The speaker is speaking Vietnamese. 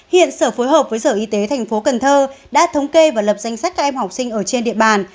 hiện sở phối hợp với sở y tế tp hcm đã thống kê và lập danh sách các em học sinh ở trên địa bàn